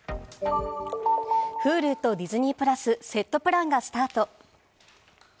Ｈｕｌｕとディズニープラス、セットプランがスタート。